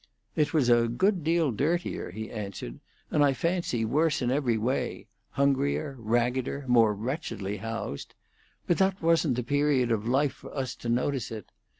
"It was a good deal dirtier," he answered; "and I fancy worse in every way hungrier, raggeder, more wretchedly housed. But that wasn't the period of life for us to notice it.